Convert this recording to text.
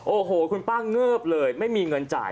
โอ้โหคุณป้าเงิบเลยไม่มีเงินจ่าย